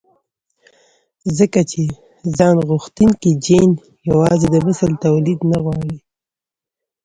ځکه چې ځانغوښتونکی جېن يوازې د مثل توليد نه غواړي.